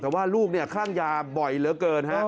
แต่ว่าลูกคลั่งยาบ่อยเหลือเกินฮะ